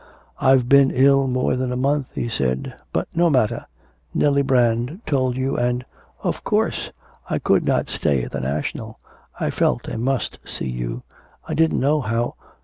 'I've been ill more than a month,' he said. 'But no matter, Nellie Brand told you and ' 'Of course I could not stay at the National. I felt I must see you. I didn't know how.